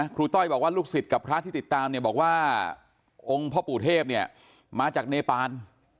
ครูต้อยบอกลูกศิษย์ที่ติดตามบอกว่าองค์พ่อปู่เทพมาจากเนปาน